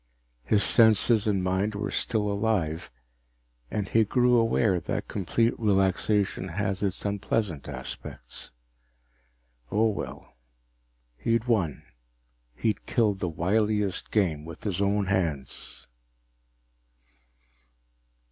His senses and mind were still alive, and he grew aware that complete relaxation has its unpleasant aspects. Oh, well he'd won. He'd killed the wiliest game with his own hands.